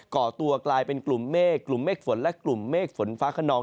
ก่อตัวกลายเป็นกลุ่มเมฆกลุ่มเมฆฝนและกลุ่มเมฆฝนฟ้าขนอง